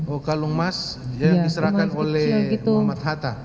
okalung emas yang diserahkan oleh muhammad hatta